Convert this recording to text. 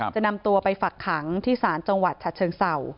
จะนำตัวไปฝักขังที่ศาลจังหวัดฉะเชิงเศร้า